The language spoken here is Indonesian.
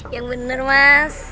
yang bener mas